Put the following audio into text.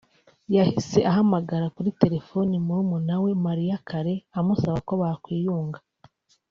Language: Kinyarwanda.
yahise ahamagara kuri telefoni murumuna we Mariah Carey amusaba ko bakwiyunga